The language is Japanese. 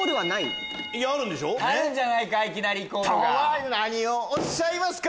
あるんじゃないか？